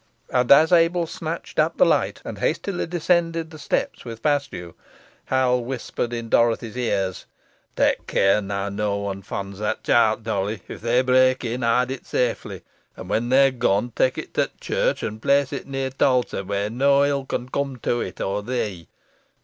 And as Abel snatched up the light, and hastily descended the steps with Paslew, Hal whispered in Dorothy's ears "Tak care neaw one fonds that chilt, Dolly, if they break in. Hide it safely; an whon they're gone, tak it to't church, and place it near t' altar, where no ill con cum to it or thee.